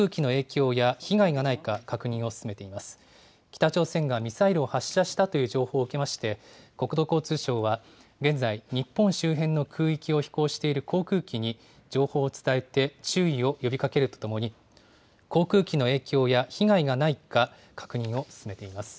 北朝鮮がミサイルを発射したという情報を受けまして、国土交通省は現在、日本周辺の空域を飛行している航空機に情報を伝えて、注意を呼びかけるとともに、航空機の影響や被害がないか、確認を進めています。